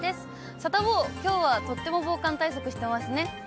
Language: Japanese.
サタボー、きょうはとっても防寒対策してますね。